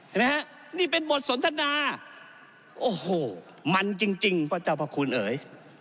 เห็นไหมฮะนี่เป็นบทสนทนาโอ้โหมันจริงพระเจ้าพระคุณเอ๋ย